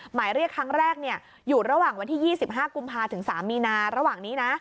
หมายเรียกครั้งแรกอยู่ระหว่างวันที่๒๕กุมภาถึง๓มีนาระหว่างนี้นะ